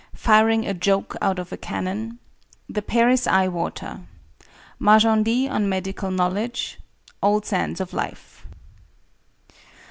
FIRING A JOKE OUT OF A CANNON. THE PARIS EYE WATER. MAJENDIE ON MEDICAL KNOWLEDGE. OLD SANDS OF LIFE.